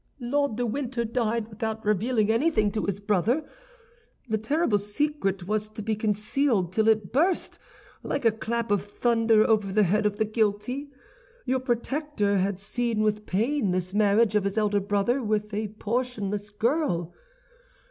"Lord de Winter died without revealing anything to his brother. The terrible secret was to be concealed till it burst, like a clap of thunder, over the head of the guilty. Your protector had seen with pain this marriage of his elder brother with a portionless girl.